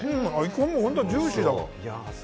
ジューシーだわ。